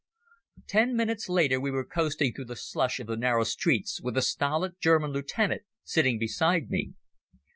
Ten minutes later we were coasting through the slush of the narrow streets with a stolid German lieutenant sitting beside me.